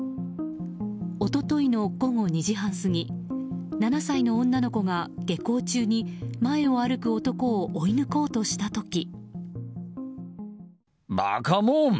一昨日の午後２時半過ぎ７歳の女の子が下校中に、前を歩く男を追い抜こうとした時。